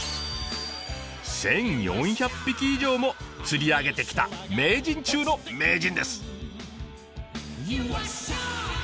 １４００匹以上も釣り上げてきた名人中の名人です。